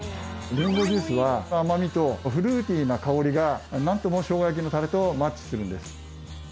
リンゴジュースは甘みとフルーティーな香りがなんとも生姜焼きのタレとマッチするんです。